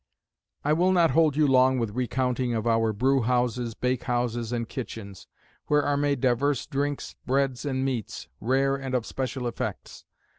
"I will not hold you long with recounting of our brewhouses, bake houses, and kitchens, where are made divers drinks, breads, and meats, rare and of special effects.